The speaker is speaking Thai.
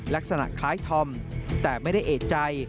ลักษณะคล้ายธอมแต่ไม่ได้เอกใจ